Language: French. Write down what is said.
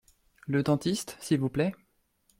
Le dentiste, s’il vous plaît ?